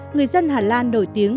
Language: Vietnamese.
người dân hà lan nổi tiếng